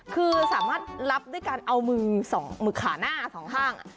คือสามารถรับด้วยการเอามือสองมือขาหน้าสองข้าง